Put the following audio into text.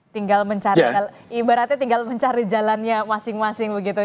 tinggal mencari ibaratnya tinggal mencari jalannya masing masing begitu